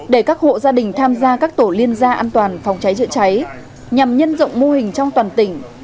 để các hộ gia đình tham gia các tổ liên gia an toàn phòng cháy chữa cháy nhằm nhân rộng mô hình trong toàn tỉnh